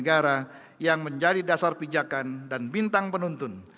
negara yang menjadi dasar pijakan dan bintang penuntun